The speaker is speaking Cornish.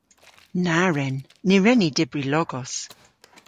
Na wren! Ny wren ni dybri logos.